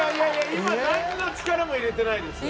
今なんの力も入れてないですよ。